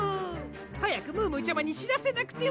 はやくムームーちゃまにしらせなくては！